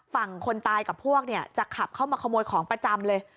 ฝั่งคนตายกับพวกเนี่ยจะขับเข้ามาขโมยของประจำเลย